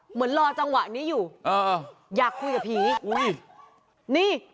เหมือนรอจังหวะนี้อยู่เอออยากคุยกับผีอุ้ยนี่